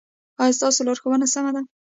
ایا ستاسو لارښوونه سمه ده؟